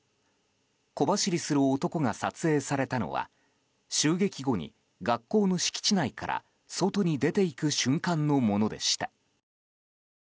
小走りする男が撮影されたのは襲撃後に学校の敷地内から外に出て行く瞬間のものでした。